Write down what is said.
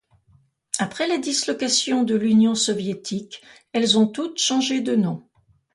Après la dislocation de l'Union soviétique, elles ont toutes changé de nom.